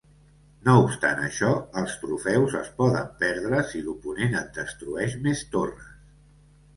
No obstant això, els trofeus es poden perdre si l'oponent et destrueix més torres.